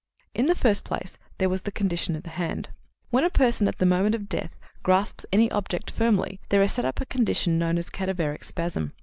"In the first place there was the condition of the hand. When a person, at the moment of death, grasps any object firmly, there is set up a condition known as cadaveric spasm.